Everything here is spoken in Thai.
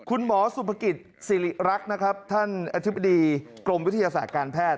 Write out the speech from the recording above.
คุณหมอสุภกิจสิริรักษ์นะครับท่านอธิบดีกรมวิทยาศาสตร์การแพทย์